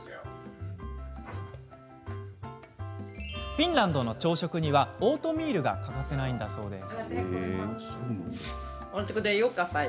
フィンランドの朝食にはオートミールが欠かせないんだそうです。